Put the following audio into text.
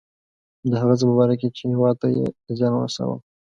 د هغه څه په باره کې چې هیواد ته یې زیان رساوه.